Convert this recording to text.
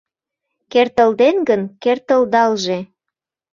Кертылден гын, кертылдалже